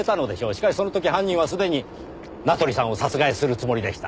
しかしその時犯人はすでに名取さんを殺害するつもりでした。